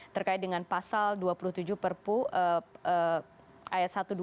terkait dengan pasal dua puluh tujuh perpu ayat satu ratus dua belas